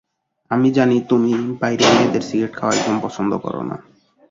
আমি জানি তুমি বাইরে মেয়েদের সিগারেট খাওয়া একদম পছন্দ করোনা।